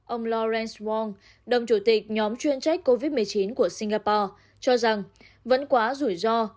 ông lorent bong đồng chủ tịch nhóm chuyên trách covid một mươi chín của singapore cho rằng vẫn quá rủi ro